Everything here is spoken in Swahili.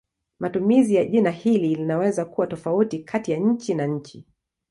Matumizi ya jina hili linaweza kuwa tofauti kati ya nchi na nchi.